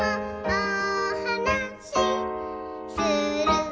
おはなしする」